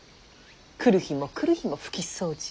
来る日も来る日も拭き掃除。